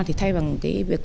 thì thay bằng cái việc